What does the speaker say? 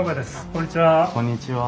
こんにちは。